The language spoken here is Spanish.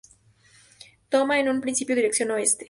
Toma en un principio dirección oeste.